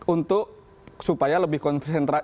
untuk supaya lebih konsentrasi